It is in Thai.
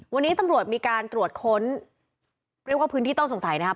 วันนี้ตำรวจมีการตรวจค้นเรียกว่าพื้นที่ต้องสงสัยนะครับ